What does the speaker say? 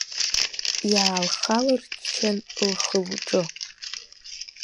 Иаалхалырччан лхы-лҿы.